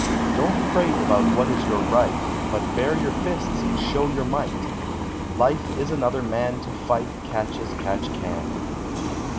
Don't prate about what is your right, But bare your fists and show your might; Life is another man to fight Catch as catch can.